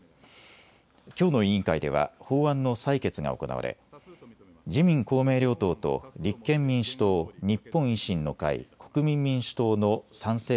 きょうの委員会では法案の採決が行われ自民公明両党と立憲民主党、日本維新の会、国民民主党の賛成